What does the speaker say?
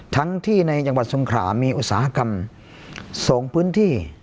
ทั้งที่ในจังหวัดสงขรามีอุตสาหกรรมส่งพื้นที่